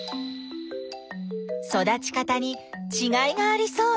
育ち方にちがいがありそう。